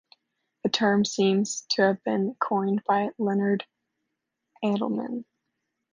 The term seems to have been coined by Leonard Adleman.